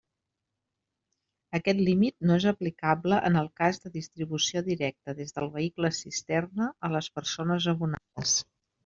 Aquest límit no és aplicable en el cas de distribució directa des del vehicle cisterna a les persones abonades.